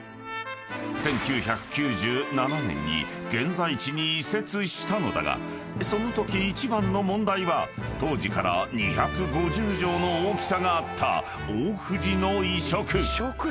［１９９７年に現在地に移設したのだがそのとき一番の問題は当時から２５０畳の大きさがあった大藤の移植］